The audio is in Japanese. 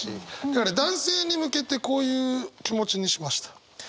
だから男性に向けてこういう気持ちにしました。